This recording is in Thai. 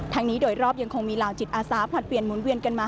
นี้โดยรอบยังคงมีเหล่าจิตอาสาผลัดเปลี่ยนหมุนเวียนกันมา